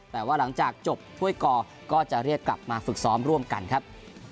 แต่ว่าหลังจากจบถ้วยกอก็จะเรียกกลับมาฝึกซ้อมร่วมกันครับ